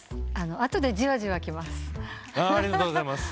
後でじわじわきます。